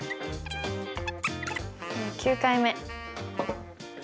９回目。